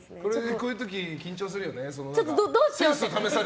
こういう時、緊張するよね。